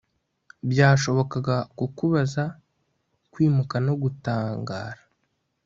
Byashobokaga kukubaza kwimuka no gutangara